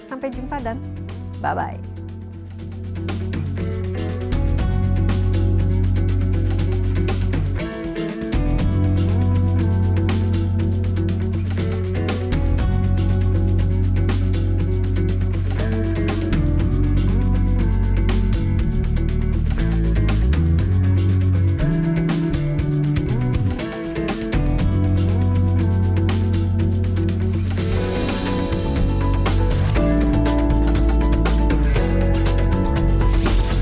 sampai jumpa dan bye bye